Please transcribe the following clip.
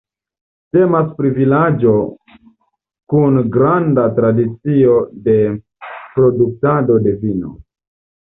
Temas pri vilaĝo kun granda tradicio de produktado de vino.